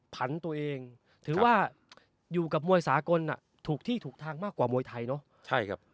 ผันตัวเองถือว่าอยู่กับมวยสากลถูกที่ถูกทางมากกว่ามวยไทยเนอะใช่ครับ